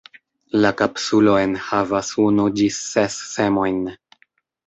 La kapsulo enhavas unu ĝis ses semojn.